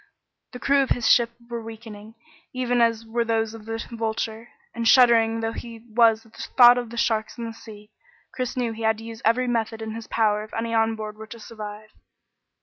The crew of his ship were weakening, even as were those of the Vulture, and shuddering though he was at the thought of the sharks in the sea, Chris knew he had to use every method in his power if any on board were to survive.